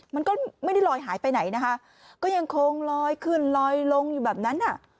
มันก็ไม่ได้ลอยหายไปไหนนะคะก็ยังคงลอยขึ้นลอยลงอยู่แบบนั้นอ่ะ